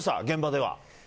現場では。